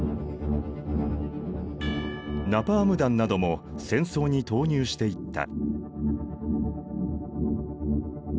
ナパーム弾なども戦争に投入していった。